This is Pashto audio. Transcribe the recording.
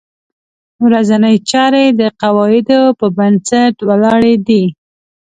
ورځنۍ چارې د قواعدو په بنسټ ولاړې دي.